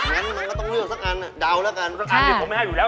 งั้นมันก็ต้องเลือกสักอันนะดาวน์ละกันสักอันผมไม่ให้อยู่แล้ว